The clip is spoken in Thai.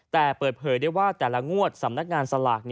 แต่เปิดเผยได้ว่าแต่ละงวดสำนักงานสลาก